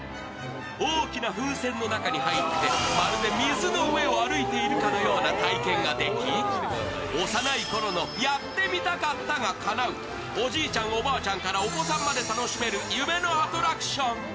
大きな風船の中に入って、まるで水の上を歩いているかのような体験ができ幼い頃のやってみたかったがかなう、おじいちゃん、おばあちゃんからお子さんまで楽しめる夢のアトラクション。